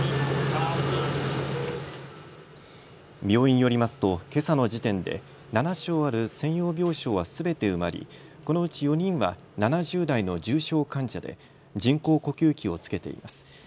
病院によりますとけさの時点で７床ある専用病床はすべて埋まりこのうち４人は７０代の重症患者で人工呼吸器を着けています。